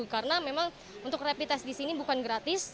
karena memang untuk rapid test di sini bukan gratis